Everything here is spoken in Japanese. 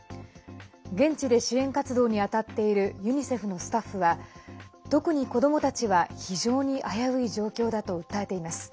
現地で支援活動に当たっているユニセフのスタッフは特に子どもたちは、非常に危うい状況だと訴えています。